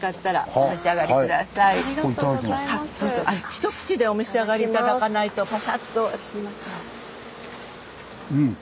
一口でお召し上がり頂かないとパサッとしますので。